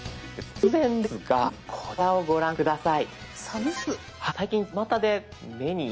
突然ですがこちらをご覧下さい。